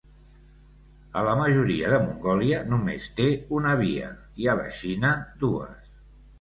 A la majoria de Mongòlia només té una via i a la Xina dues.